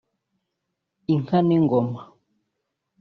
inka n’ingoma